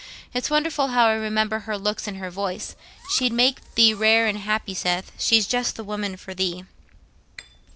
It's wonderful how I remember her looks and her voice. She'd make thee rare and happy, Seth; she's just the woman for thee."